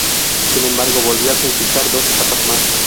Sin embargo, volvió a conquistar dos etapas más.